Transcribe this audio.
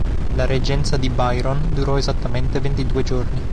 La reggenza di Biron durò esattamente ventidue giorni.